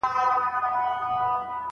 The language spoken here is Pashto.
سالم خواړه ښه احساس راولي.